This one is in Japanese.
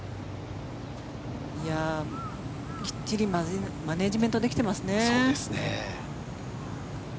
きっちりマネジメントできていますね。